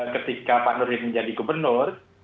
ketika pak nurin menjadi gubernur